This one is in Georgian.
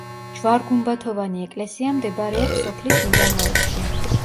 ჯვარ-გუმბათოვანი ეკლესია მდებარეობს სოფლის მიდამოებში.